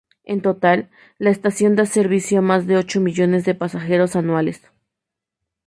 En total, la estación da servicio a más de ocho millones de pasajeros anuales.